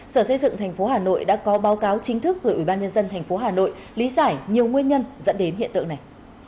sở xây dựng tp hà nội đã có báo cáo chính thức gửi ubnd tp hà nội lý giải nhiều nguyên nhân dẫn đến hiện tượng này